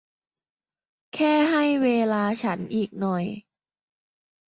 แค่ให้เวลาฉันอีกหน่อย